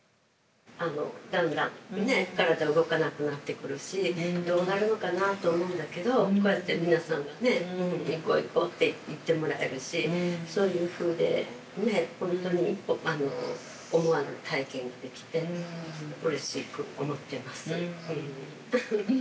だんだん体が動かなくなってくるしどうなるのかなと思うんだけど皆さんが「行こう行こう」って言ってもらえるしそういうふうでこんなに思わぬ体験ができてうれしく思ってます